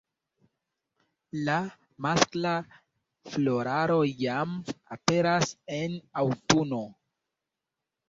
La maskla floraro jam aperas en aŭtuno.